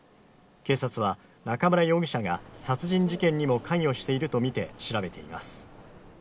警察は中村容疑者が殺人事件にも関与しているとみて調べています。